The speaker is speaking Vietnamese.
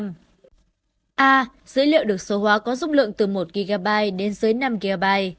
a dữ liệu được số hóa có dung lượng từ một gigaby đến dưới năm gb